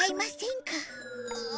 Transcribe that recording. ああ。